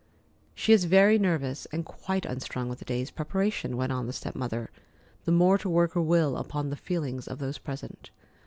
"She is very nervous and quite unstrung with the day's preparation," went on the step mother, the more to work her will upon the feelings of those present.